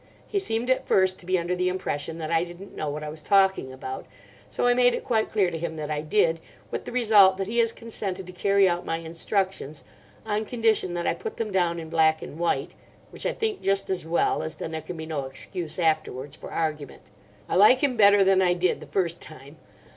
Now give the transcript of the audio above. He seemed at first to be under the impression that I didn't know what I was talking about, so I made it quite clear to him that I did, with the result that he has consented to carry out my instructions, on condition that I put them down in black and white—which I think just as well, as then there can be no excuse afterwards for argument. I like him better than I did the first time.